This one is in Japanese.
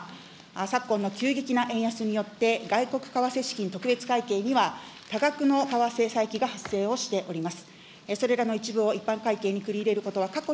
昨今の急激な円安によって、外国為替資金特別会計には、多額の為替差益が発生をしております。